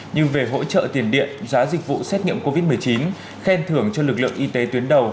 như về hỗ trợ tiền điện giá dịch vụ xét nghiệm covid một mươi chín khen thưởng cho lực lượng y tế tuyến đầu